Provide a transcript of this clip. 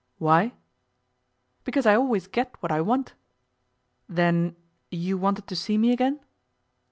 'Why?' 'Because I always get what I want.' 'Then you wanted to see me again?